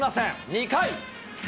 ２回。